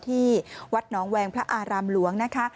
ที่วัดหนองแวงพระอารามหลวงนะคะ